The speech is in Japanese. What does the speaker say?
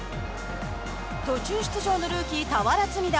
途中出場のルーキー、俵積田。